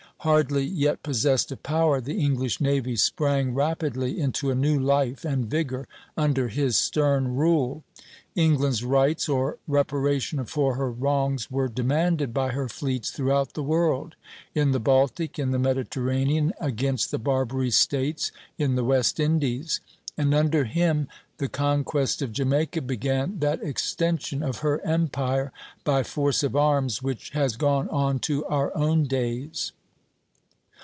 Hardly yet possessed of power, the English navy sprang rapidly into a new life and vigor under his stern rule. England's rights, or reparation for her wrongs, were demanded by her fleets throughout the world, in the Baltic, in the Mediterranean, against the Barbary States, in the West Indies; and under him the conquest of Jamaica began that extension of her empire, by force of arms, which has gone on to our own days.